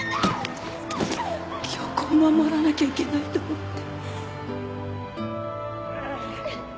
恭子を守らなきゃいけないと思って。